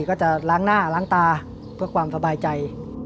ก็จะล้างหน้าล้างตาเพื่อความสบายใจ